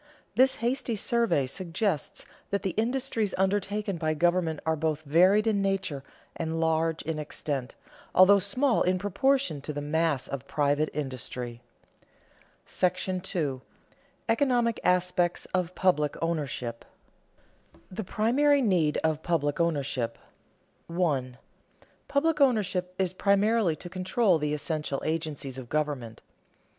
This hasty survey suggests that the industries undertaken by government are both varied in nature and large in extent, although small in proportion to the mass of private industry. § II. ECONOMIC ASPECTS OF PUBLIC OWNERSHIP [Sidenote: The primary need of public ownership] 1. _Public ownership is primarily to control the essential agencies of government.